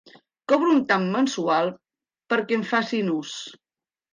Cobro un tant mensual perquè en facin ús.